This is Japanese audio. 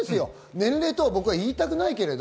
年齢とは僕は言いたくないけど。